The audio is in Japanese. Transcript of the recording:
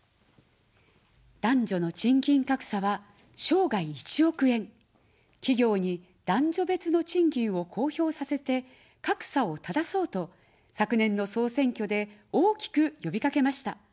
男女の賃金格差は生涯１億円、企業に男女別の賃金を公表させて、格差をただそうと昨年の総選挙で大きくよびかけました。